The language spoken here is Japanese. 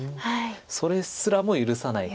それすらも許さない